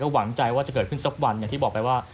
หวังใจว่าจะเกิดขึ้นสักวันอย่างที่บอกไปว่า